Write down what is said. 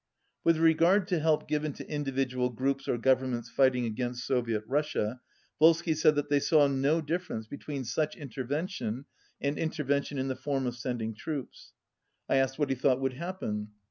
With regard to help given to individual groups or governments fighting against Soviet Russia, Volsky said that they saw no difference between such intervention and intervention in the form of sending troops. I asked what he thought would happen.